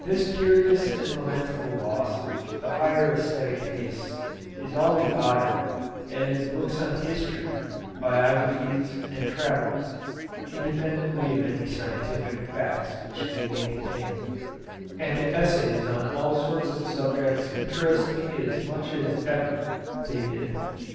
This curious and lamentable loss of the higher aesthetic tastes is all the odder, as books on history, biographies, and travels (independently of any scientific facts which they may contain), and essays on all sorts of subjects interest me as much as ever they did.